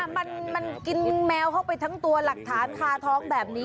มันกินแมวเข้าไปทั้งตัวหลักฐานคาท้องแบบนี้